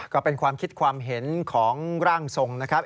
ก็เป็นความคิดความเห็นของร่างทรงนะครับ